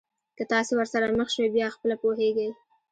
که تاسي ورسره مخ شوی بیا خپله پوهېږئ.